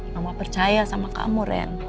mama percaya sama kamu ren